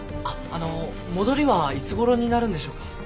あっあの戻りはいつごろになるんでしょうか？